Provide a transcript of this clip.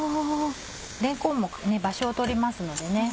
れんこんも場所を取りますのでね。